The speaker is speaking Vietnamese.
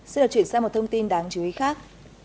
xin được chuyển sang một thông tin đáng chú ý khác